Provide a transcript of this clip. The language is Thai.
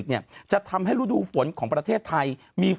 แต่ไม่ต้องถาม